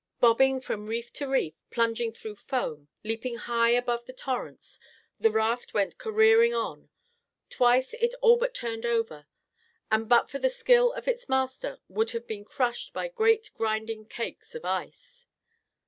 Bobbing from reef to reef, plunging through foam, leaping high above the torrents, the raft went careering on. Twice it all but turned over, and but for the skill of its master would have been crushed by great grinding cakes of ice.